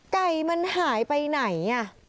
ไก่มันหายไปไหน